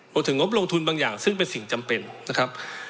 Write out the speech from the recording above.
รวมถึงงบลงทุนบางอย่างซึ่งเป็นสิ่งจำเป็นนะครับ